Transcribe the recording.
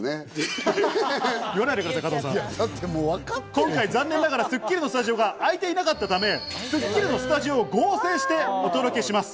今回、残念ながら『スッキリ』のスタジオが空いていなかったため、『スッキリ』のスタジオを合成してお届けします。